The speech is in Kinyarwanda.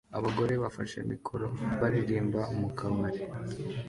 Abagore bafashe mikoro baririmba mu kabari